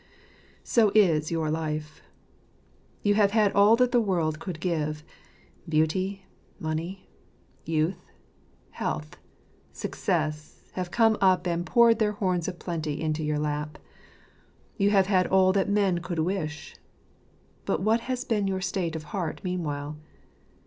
So is your life . You have had all that this world could give. Beauty, money, youth, health, success, have come up and poured their horns of plenty into your lap. You have had all that man could wish. But what has been your state of heart meanwhile?